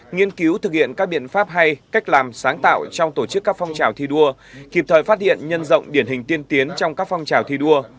nghiên cứu thực hiện các biện pháp hay cách làm sáng tạo trong tổ chức các phong trào thi đua kịp thời phát hiện nhân rộng điển hình tiên tiến trong các phong trào thi đua